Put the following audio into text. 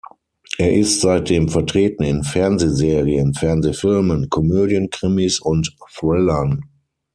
Er ist seitdem vertreten in Fernsehserien, Fernsehfilmen, Komödien, Krimis und Thrillern.